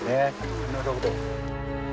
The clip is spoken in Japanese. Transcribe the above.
あなるほど。